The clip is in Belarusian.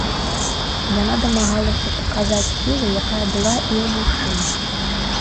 Яна дамагалася паказаць сілу, якая была і ў мужчын.